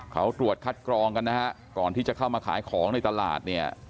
เขาตรวจคัดกรองกันนะฮะก่อนที่จะเข้ามาขายของในตลาดเนี่ย